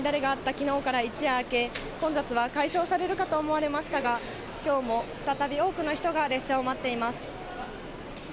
きのうから一夜明け、混雑は解消されるかと思われましたが、きょうも再び多くの人が列車を待っています。